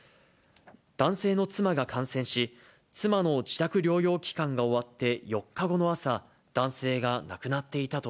男性の妻が感染し、妻の自宅療養期間が終わって４日後の朝、男性が亡くなっていたと